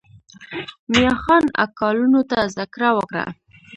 میاخان اکا لوڼو ته زده کړه ورکړه.